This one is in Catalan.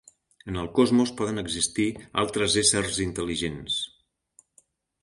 En el cosmos poden existir altres éssers intel·ligents.